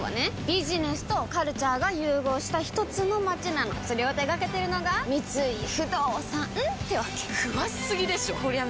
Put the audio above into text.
ビジネスとカルチャーが融合したひとつの街なのそれを手掛けてるのが三井不動産ってわけ詳しすぎでしょこりゃ